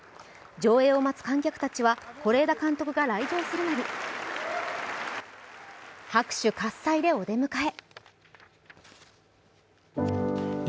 上映を待つ観客たちは是枝監督が来場するなり、拍手喝采でお出迎え。